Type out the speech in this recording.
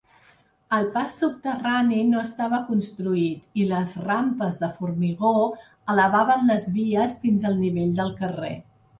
El pas subterrani no estava construït i les rampes de formigó elevaven les vies fins al nivell del carrer.